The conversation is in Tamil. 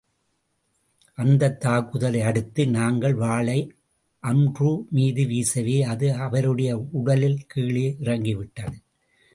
அந்தத் தாக்குதலை அடுத்து, தங்கள் வாளை அம்ரு மீது வீசவே, அது அவருடைய உடலில் கீழே இறங்கிவிட்டது.